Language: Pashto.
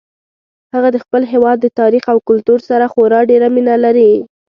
هغه د خپل هیواد د تاریخ او کلتور سره خورا ډیره مینه لري